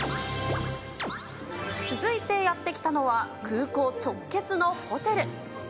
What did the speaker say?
続いてやって来たのは、空港直結のホテル。